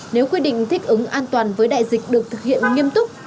nếu quy định thích ứng an toàn với đại dịch được thực hiện nghiêm túc